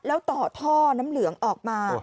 แล้วต่อท่อน้ำเหลืองออกมา